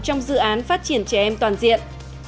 trong dự án phát triển trẻ em toàn diện